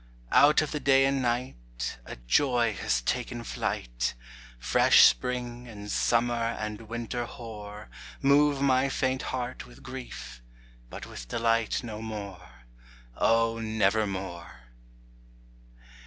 Out of the day and night A joy has taken flight: Fresh spring, and summer, and winter hoar Move my faint heart with grief, but with delight No more, O nevermore!